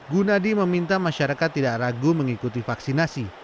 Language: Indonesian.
gunadi meminta masyarakat tidak ragu mengikuti vaksinasi